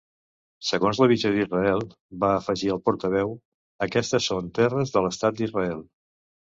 Segons la visió d'Israel, va afegir el portaveu, aquestes són terres de l'Estat d'Israel.